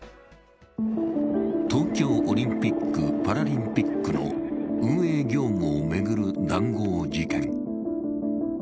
東京オリンピック・パラリンピックの運営業務を巡る談合事件。